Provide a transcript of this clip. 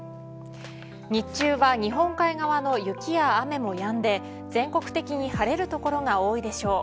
日中は日本海側の雪や雨もやんで全国的に晴れる所が多いでしょう。